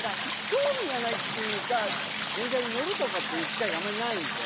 興味がないというか電車に乗るとかっていう機会があんまりないので。